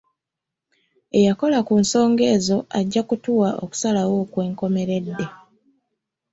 Eyakola ku nsonga ezo ajja kutuwa okusalawo okwenkomeredde.